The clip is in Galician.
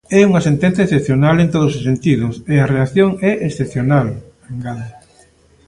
"É unha sentenza excepcional en todos os sentidos e a reacción é excepcional", engade.